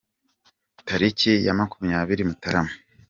Tariki ya makumyabiri Mutarama